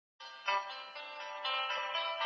انلاين طبي مشورې د روغتيايي خدمتونو رسولو آسانه لاره ده.